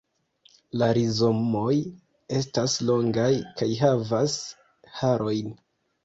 La rizomoj estas longaj kaj havas harojn.